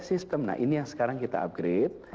sistem nah ini yang sekarang kita upgrade